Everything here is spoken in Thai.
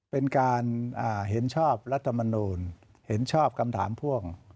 เป็นการเห็นชอบรัฐมนูลเห็นชอบคำถามพ่วง